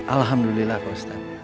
alhamdulillah pak ustadz